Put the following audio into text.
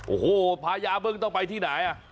โอ้โหพายาบึ้งต้องไปที่ไหน